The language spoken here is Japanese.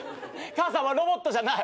母さんはロボットじゃない。